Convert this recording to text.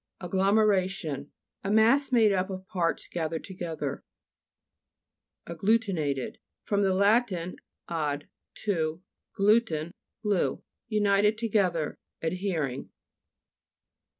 AGGLOMEHA'TIOX A mass made up of parts gathered together. AGGLUTINATED fr. lat. ad to, glu ten, glue. United together 5 ad hering.